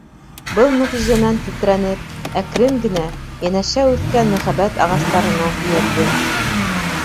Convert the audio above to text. Был мөғжизәнән тетрәнеп, әкрен генә, йәнәшә үҫкән Мөхәббәт ағастарына һөйәлдем.